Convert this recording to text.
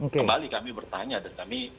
kembali kami bertanya dan kami